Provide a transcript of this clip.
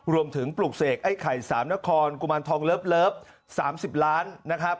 ปลูกเสกไอ้ไข่สามนครกุมารทองเลิฟ๓๐ล้านนะครับ